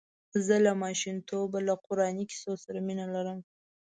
زه له ماشومتوبه له قراني کیسو سره مینه لرم.